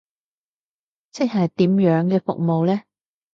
即係點樣嘅服務呢？